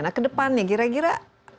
nah ke depannya kira kira